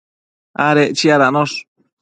adec chiadanosh